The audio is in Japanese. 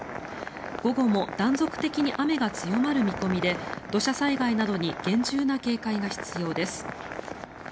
午後も断続的に雨が強まる見込みで土砂災害などに厳重な警戒が必要です。